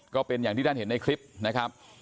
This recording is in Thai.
ก็เป็นอย่างที่ท่านเห็นในคลิปนะครับ